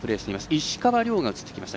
石川遼が映ってきました。